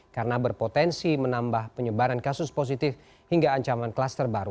karena berpotensi menambah penyebaran kasus positif hingga ancaman kluster baru